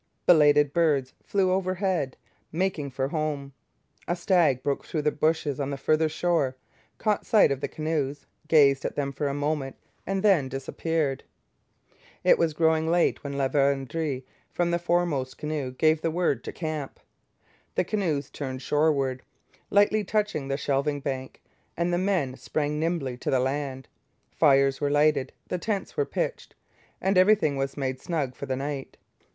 Belated birds flew overhead, making for home. A stag broke through the bushes on the farther shore, caught sight of the canoes, gazed at them for a moment, and then disappeared. It was growing late when La Vérendrye, from the foremost canoe, gave the word to camp. The canoes turned shoreward, lightly touching the shelving bank, and the men sprang nimbly to the land. Fires were lighted, the tents were pitched, and everything was made snug for the night.